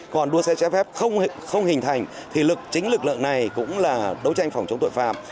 còn đua xe trái phép không hình thành thì lực chính lực lượng này cũng là đấu tranh phòng chống tội phạm